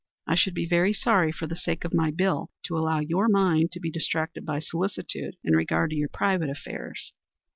I should be very sorry for the sake of my bill to allow your mind to be distracted by solicitude in regard to your private affairs.